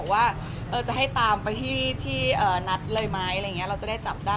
ว่าจะให้ตามไปที่นัดเลยไหมเราจะได้จับได้